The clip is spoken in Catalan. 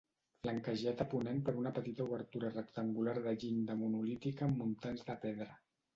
Flanquejat a ponent per una petita obertura rectangular de llinda monolítica amb muntants de pedra.